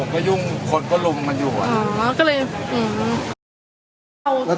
คุณครู